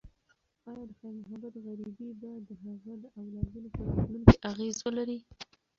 ایا د خیر محمد غریبي به د هغه د اولادونو په راتلونکي اغیز وکړي؟